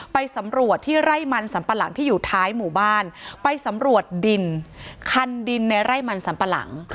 ไปสำรวจที่ไร่มันสัมปะหลังที่อยู่ท้ายหมู่บ้านไปสำรวจดินคันดินในไร่มันสัมปะหลัง